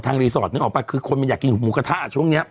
รีสอร์ทนึกออกป่ะคือคนมันอยากกินหมูกระทะช่วงนี้